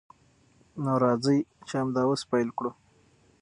نو راځئ چې همدا اوس پیل وکړو.